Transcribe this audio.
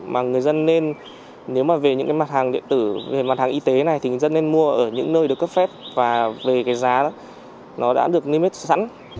mà người dân nên nếu mà về những cái mặt hàng điện tử về mặt hàng y tế này thì người dân nên mua ở những nơi được cấp phép và về cái giá nó đã được niêm yết sẵn